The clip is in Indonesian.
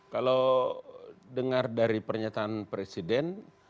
kalau dengar dari pernyataan presiden